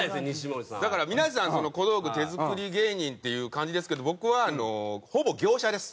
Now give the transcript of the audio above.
だから皆さん小道具手作り芸人っていう感じですけど僕はあのほぼ業者です。